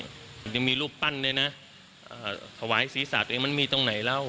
มันยังมีรูปปั้นด้วยนะถวายศีรษะตัวเองมันมีตรงไหนเล่า